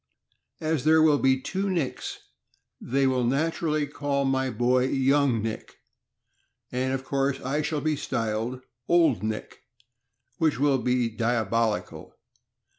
"As there will be two Nicks, they will naturally call my boy Young Nick, and of course I shall be styled Old Nick, which will be diabolical."